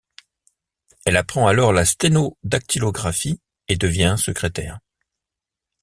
Elle apprend alors la sténodactylographie et devient secrétaire.